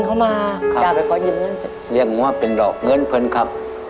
เรียกมอบเป็นหลอกเงินเพิ่นครับ